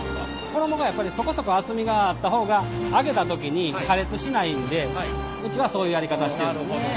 衣がやっぱりそこそこ厚みがあった方が揚げた時に破裂しないんでうちはそういうやり方してるんですね。